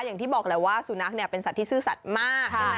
อย่างที่บอกแสลว่าสูนักเป็นสัตว์ที่สื่อสัตว์มาก